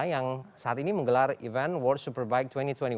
yang saat ini menggelar event world superbike dua ribu dua puluh